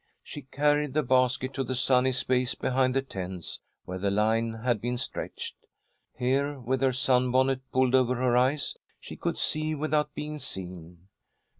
She carried the basket to the sunny space behind the tents, where the line had been stretched. Here, with her sunbonnet pulled over her eyes, she could see without being seen.